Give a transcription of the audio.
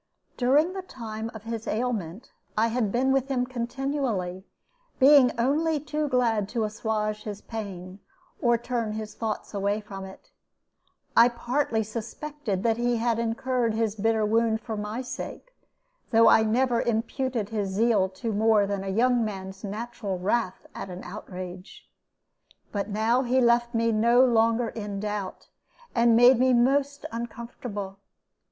During the time of his ailment I had been with him continually, being only too glad to assuage his pain, or turn his thoughts away from it. I partly suspected that he had incurred his bitter wound for my sake; though I never imputed his zeal to more than a young man's natural wrath at an outrage. But now he left me no longer in doubt, and made me most uncomfortable.